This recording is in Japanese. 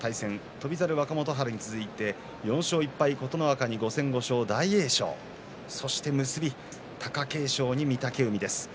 翔猿、若元春に続いて４勝１敗琴ノ若に５戦５勝の大栄翔結びは貴景勝に御嶽海です。